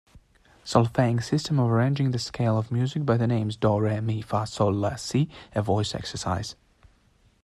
Solfaing system of arranging the scale of music by the names do, re, mi, fa, sol, la, si a voice exercise.